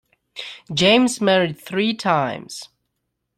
James married three times.